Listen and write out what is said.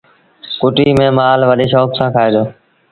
ڪُٽي کي مآل وڏي شوڪ سآݩ کآئي دو۔